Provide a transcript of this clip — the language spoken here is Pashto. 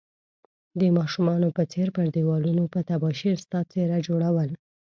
د ماشومانو په څير پر ديوالونو په تباشير ستا څيره جوړول